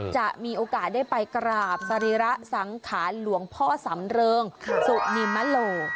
จะมีโอกาสได้ไปกราบสรีระสังขารหลวงพ่อสำเริงสุนิมโล